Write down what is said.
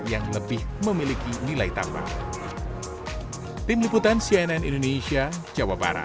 yang lebih memiliki nilai tambah